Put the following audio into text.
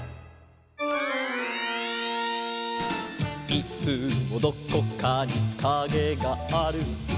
「いつもどこかにカゲがある」